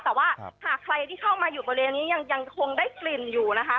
แต่ว่าหากใครที่เข้ามาอยู่บริเวณนี้ยังคงได้กลิ่นอยู่นะคะ